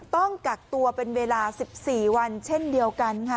ต้องกักตัวเป็นเวลา๑๔วันเช่นเดียวกันค่ะ